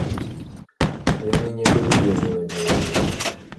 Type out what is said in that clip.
Яны не былі вельмі надзейнымі.